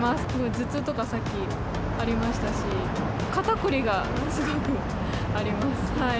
頭痛とかさっきありましたし、肩凝りがすごくあります。